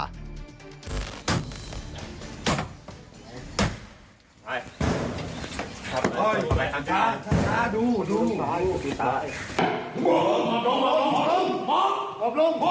พรมพรมพรมพรมพรมพรมพรมพรม